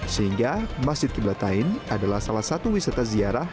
sehingga masjid qiblat tain adalah salah satu wisata ziarah